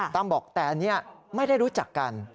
ตั้มบอกแต่อันนี้ไม่ได้รู้จักกัน